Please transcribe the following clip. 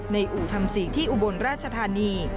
อู่ธรรมศรีที่อุบลราชธานี